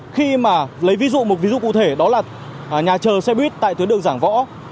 khi mà lấy ví dụ một ví dụ cụ thể đó là nhà chờ xe buýt tại tuyến đường giảng võ